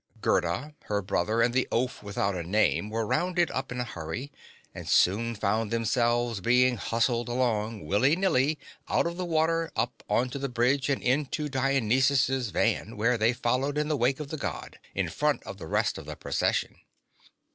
Gerda, her brother and the oaf without a name were rounded up in a hurry, and soon found themselves being hustled along, willy nilly, out of the water, up onto the bridge and into Dionysus' van, where they followed in the wake of the God, in front of the rest of the Procession.